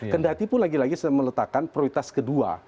kendati pun lagi lagi meletakkan prioritas kedua